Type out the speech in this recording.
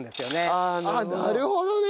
ああなるほどね！